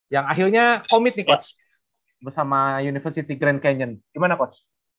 yang akhirnya committee coach bersama university grand canyon gimana coach